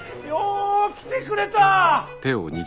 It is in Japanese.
よう来てくれた。